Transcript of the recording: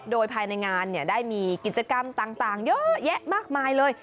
โดยภายในงานได้มีกิจกรรมต่างเยอะแยะมากมายเลย